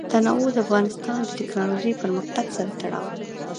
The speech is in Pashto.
تنوع د افغانستان د تکنالوژۍ پرمختګ سره تړاو لري.